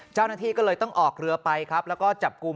เจ้าหน้าที่ก็เลยต้องออกเรือไปครับแล้วก็จับกลุ่ม